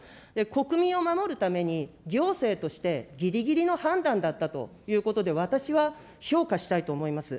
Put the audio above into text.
国民を守るために、行政としてぎりぎりの判断だったということで、私は評価したいと思います。